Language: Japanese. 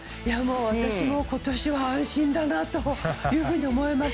私も今年は安心だなと思います。